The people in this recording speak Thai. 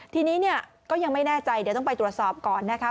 ทีนี้เนี่ยก็ยังไม่แน่ใจเดี๋ยวต้องไปตรวจสอบก่อนนะคะ